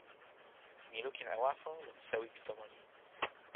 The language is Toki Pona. mi lukin e waso lon sewi pi tomo ni.